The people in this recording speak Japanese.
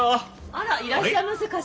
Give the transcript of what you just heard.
あらいらっしゃいませ頭。